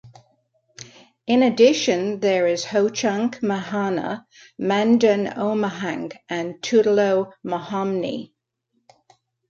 In addition, there is Ho-Chunk Mahanah, Mandan Omahank, and Tutelo Mahomny.